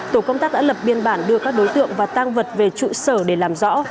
tổ công tác đã lập biên bản đưa các đối tượng và tang vật về trụ sở để làm rõ